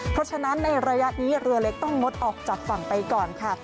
เพราะฉะนั้นในระยะนี้เรือเล็กต้องงดออกจากฝั่งไปก่อนค่ะ